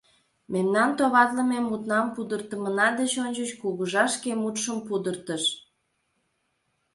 Мемнан товатлыме мутнам пудыртымына деч ончыч кугыжа шке мутшым пудыртыш.